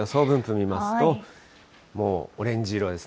見ますと、もうオレンジ色です